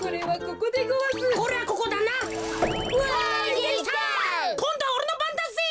こんどはおれのばんだぜ。